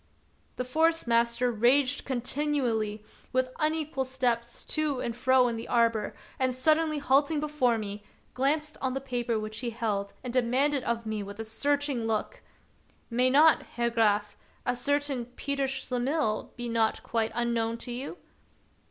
The Forest master raged continually with un equal steps to and fro in the arbor, and, suddenly halting before me, glanced on the paper which he held and demanded of me with a searching look :—" May not, Herr Graf, a certain Peter Schle mihl be not quite unknown to you